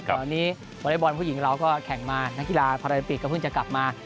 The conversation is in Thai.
คราวนี้เวลบอลผู้หญิงกับเราก็แข่งมานักกีฬาพาราติกก็เพิ่งจะกลับมา